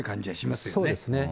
そうですね、